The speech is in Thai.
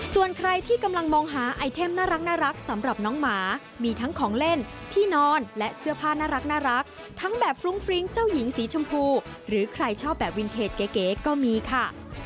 ส่วนใครที่กำลังมองหาไอเทมน่ารักสำหรับน้องหมามีทั้งของเล่นที่นอนและเสื้อผ้าน่ารักทั้งแบบฟรุ้งฟริ้งเจ้าหญิงสีชมพูหรือใครชอบแบบวินเทจเก๋ก็มีค่ะ